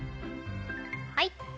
はい。